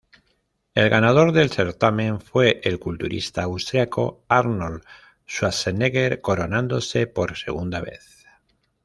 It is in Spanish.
El ganador del certamen fue el culturista austriaco Arnold Schwarzenegger, coronándose por segunda vez.